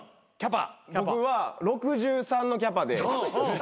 僕は６３のキャパで。